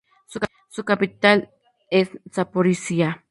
Su capital es Zaporizhia.